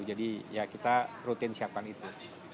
jadi ya kita rutin siapkan itu